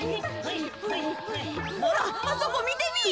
ほらあそこみてみい。